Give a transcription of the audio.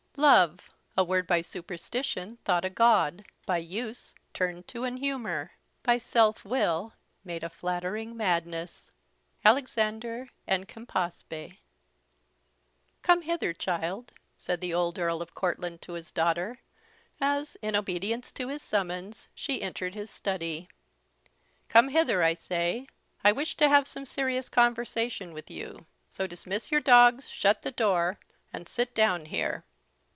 "Love! A word by superstition thought a God; by use turned to an humour; by self will made a flattering madness." Alexander and Campaspe. "COME hither, child," said the old Earl of Courtland to his daughter, as, in obedience to his summons, she entered his study; "come hither, I say; I wish to have some serious conversation with you: so dismiss your dogs, shut the door, and sit down here."